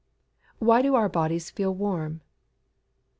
_Why do our bodies feel warm?